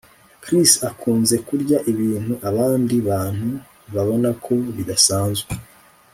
Chris akunze kurya ibintu abandi bantu babona ko bidasanzwe